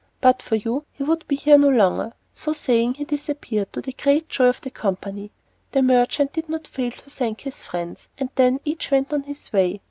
But for you, he would be here no longer." So saying, he disappeared, to the great joy of the company. The merchant did not fail to thank his friends, and then each went on his way.